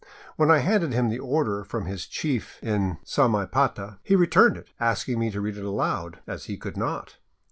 When I handed him the order from his chief in Samaipata, he returned it, asking me to read it aloud, as he could not.